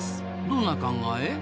どんな考え？